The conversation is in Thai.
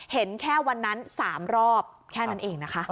เห็นแค่วันนั้น๓รอบแค่นั้นเองนะคะ